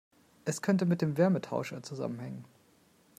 Es könnte mit dem Wärmetauscher zusammenhängen.